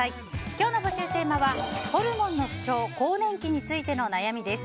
今日の募集テーマはホルモンの不調更年期についての悩みです。